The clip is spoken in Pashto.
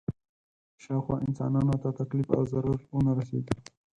شاوخوا انسانانو ته تکلیف او ضرر ونه رسېږي.